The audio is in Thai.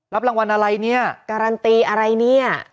รางวัลอะไรเนี่ยการันตีอะไรเนี่ย